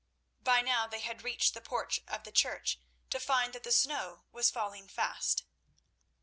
By now they had reached the porch of the church, to find that the snow was falling fast.